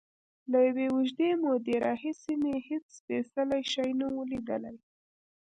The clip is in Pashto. له یوې اوږدې مودې راهیسې مې هېڅ سپېڅلی شی نه و لیدلی.